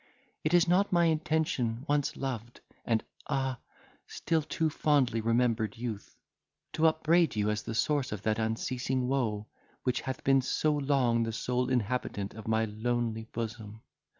It is not my intention, once loved, and ah! still too fondly remembered youth, to upbraid you as the source of that unceasing woe which hath been so long the sole inhabitant of my lonely bosom.